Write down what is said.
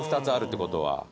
２つあるって事は。